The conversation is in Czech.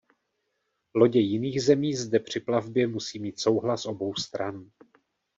Lodě jiných zemí zde při plavbě musí mít souhlas obou stran.